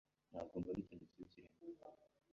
Ntabwo mbona ikintu kibi kirimo.